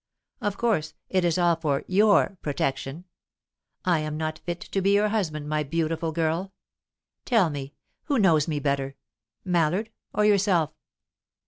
Of course, it is all for your protection. I am not fit to be your husband, my beautiful girl! Tell me who knows me better, Mallard or yourself?"